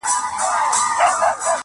اوس به څوك اوري آواز د پردېسانو.!